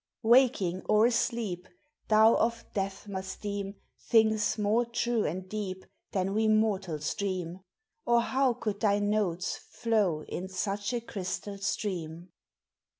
Waking or asleep, Thou of death must deem Things more true and deep Than we mortals dream, Or how could thy notes flow in such a crystal stream